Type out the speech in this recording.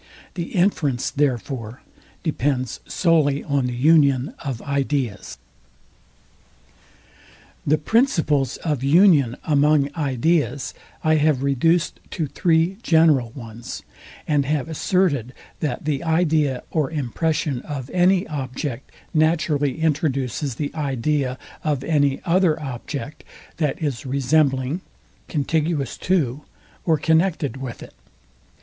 The inference, therefore, depends solely on the union of ideas. The principles of union among ideas, I have reduced to three general ones, and have asserted, that the idea or impression of any object naturally introduces the idea of any other object, that is resembling, contiguous to, or connected with it.